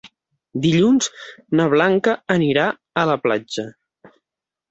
Dilluns na Blanca anirà a la platja.